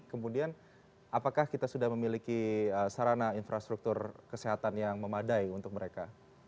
kemudian apakah kita sudah memiliki sarana infrastruktur kesehatan yang memadai untuk mereka